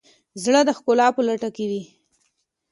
زړه د ښکلا په لټه وي.